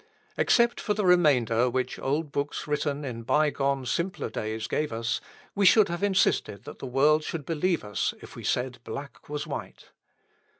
Except for the reminder which old books written in byegone simpler days gave us, we should have insisted that the world should believe us if we said black was white.